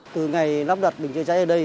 từ ngày lắp đặt bình chữa cháy ở đây